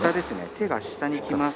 手が下に来ます。